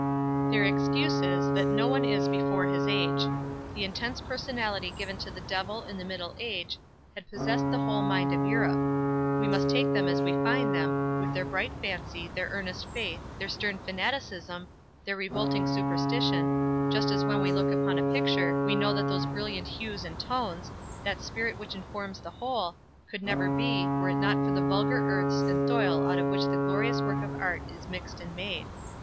Their excuse is, that no one is before his age. The intense personality given to the Devil in the Middle Age had possessed the whole mind of Europe. We must take them as we find them, with their bright fancy, their earnest faith, their stern fanaticism, their revolting superstition, just as when we look upon a picture we know that those brilliant hues and tones, that spirit which informs the whole, could never be, were it not for the vulgar earths and oil out of which the glorious work of art is mixed and made.